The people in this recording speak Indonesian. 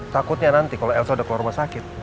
takutnya nanti kalau elsa udah keluar rumah sakit